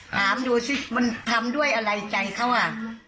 ดูสิมันทำด้วยอะไรใจเขาอ่ะ